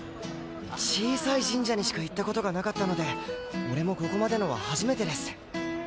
小さい神社にしか行った事がなかったので俺もここまでのは初めてです。